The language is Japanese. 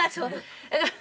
ハハハ！